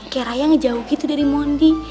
kayak raya ngejauh gitu dari mondi